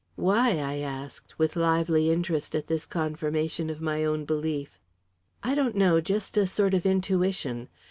"Why?" I asked, with lively interest at this confirmation of my own belief. "I don't know just a sort of intuition.